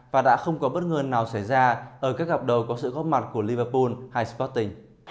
và đã không có bất ngờ nào xảy ra ở các gặp đầu có sự góp mặt của libapool hay sporting